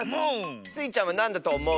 スイちゃんはなんだとおもう？